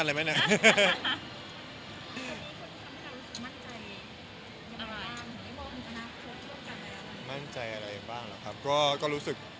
ที่ก็มามักอยู่ตรงนี้ด้วยกันเลยนะ